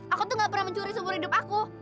aku tuh gak pernah mencuri seumur hidup aku